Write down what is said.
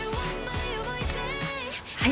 はい。